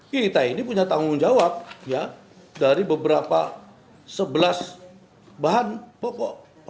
kita ini punya tanggung jawab dari beberapa sebelas bahan pokok